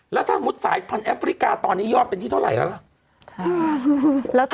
แล้วถ้ามุติสายพันธแอฟริกาตอนนี้ยอดเป็นที่เท่าไหร่แล้วล่ะ